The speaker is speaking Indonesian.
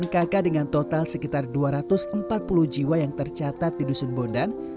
tujuh puluh delapan kk dengan total sekitar dua ratus empat puluh jiwa yang tercatat di dusun bondan